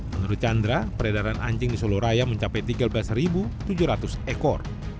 menurut chandra peredaran anjing di solo raya mencapai tiga belas tujuh ratus ekor